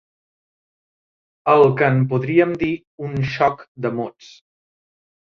El que en podríem dir un xoc de mots.